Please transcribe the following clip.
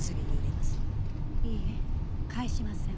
いいえ返しません。